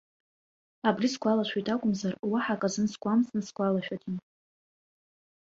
Абри сгәалашәоит акәымзар, уаҳа аказын дгәамҵны сгәалашәаӡом.